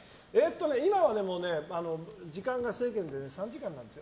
今は時間が３時間なんですよ。